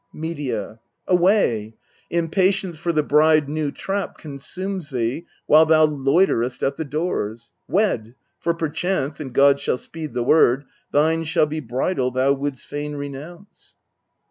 Medea. Away ! impatience for the bride new trapped Consumes thee while thou loiterest at the doors ! Wed : for perchance and God shall speed the word Thine shall be bridal thou wouldst fain renounce.